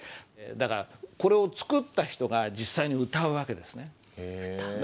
だからこれを作った人が実際に歌う訳ですね。